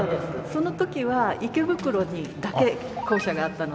その時は池袋にだけ校舎があったので。